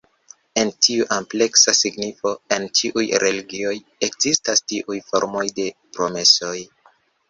En tiu ampleksa signifo, en ĉiuj religioj, ekzistas tiuj formoj de promesoj.